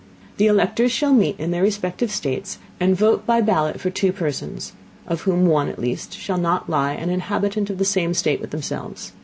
The Electors shall meet in their respective States, and vote by Ballot for two Persons, of whom one at least shall not be an Inhabitant of the same State with themselves.